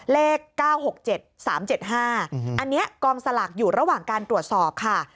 เลข๙๖๗๓๗๕อันนี้กองสลากอยู่ระหว่างการตรวจสอบค่ะ